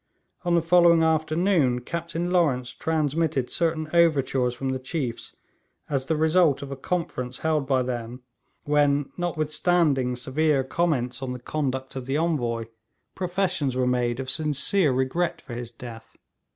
On the following afternoon Captain Lawrence transmitted certain overtures from the chiefs, as the result of a conference held by them, when, notwithstanding severe comments on the conduct of the Envoy, professions were made of sincere regret for his death.